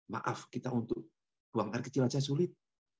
maaf kita untuk buang air kecil saja sulit